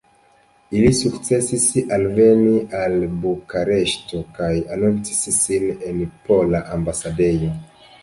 Ili sukcesis alveni al Bukareŝto kaj anoncis sin en Pola Ambasadejo.